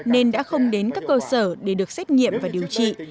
nên đã không đến các cơ sở để được xét nghiệm và điều trị